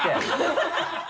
ハハハ